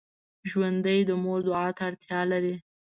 ژوندي د مور دعا ته اړتیا لري